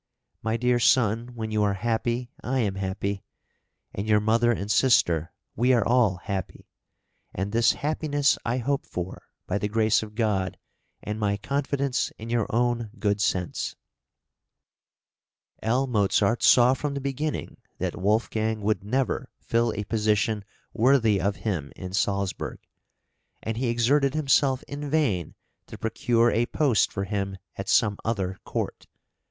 My dear son, when you are happy, I am happy; and your mother and sister we are all happy; and this happiness I hope for, by the grace of God and my confidence in your own good sense." L. Mozart saw from the beginning that Wolfgang would never fill a position worthy of him in Salzburg; and he exerted himself in vain to procure a post for him at some other court.